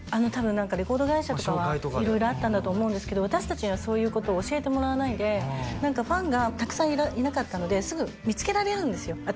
多分レコード会社とかは色々あったんだと思うんですけど私達にはそういうことを教えてもらわないでファンがたくさんいなかったのですぐ見つけられるんですよ